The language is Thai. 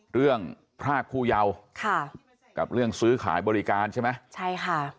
พรากผู้เยาค่ะกับเรื่องซื้อขายบริการใช่ไหมใช่ค่ะ